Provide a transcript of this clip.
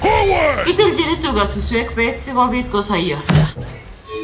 Kitilchini tuga suswek peet si kobit kosaiyo